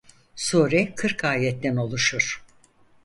Sure kırk ayetten oluşur.